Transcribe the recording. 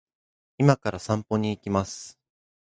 今から散歩に行きます